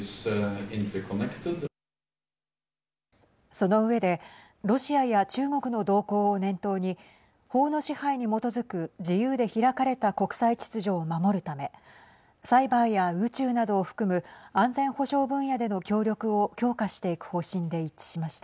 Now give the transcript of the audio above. その上でロシアや中国の動向を念頭に法の支配に基づく自由で開かれた国際秩序を守るためサイバーや宇宙などを含む安全保障分野での協力を強化していく方針で一致しました。